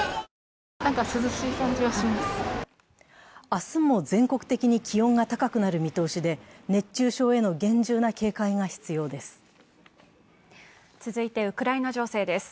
明日も全国的に気温が高くなる見通しで、熱中症への厳重な警戒が必要です。